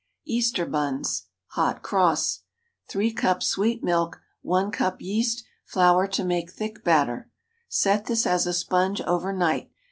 EASTER BUNS ("Hot Cross.") ✠ 3 cups sweet milk. 1 cup yeast. Flour to make thick batter. Set this as a sponge over night.